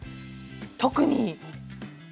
特に。